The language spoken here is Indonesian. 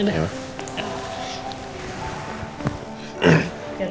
kati di jalan ya